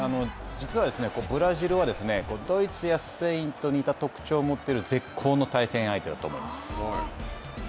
実は、ブラジルはドイツやスペインと似た特徴を持っている絶好の対戦相手だと思います。